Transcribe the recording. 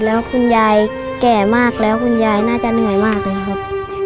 แล้วคุณยายแก่มากแล้วคุณยายน่าจะเหนื่อยมากเลยครับ